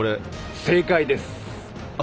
正解です！